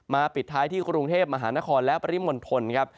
ปิดท้ายที่กรุงเทพมหานครและปริมณฑลครับ